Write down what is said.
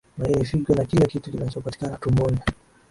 maini figo na kila kitu kinachopatikana tumboni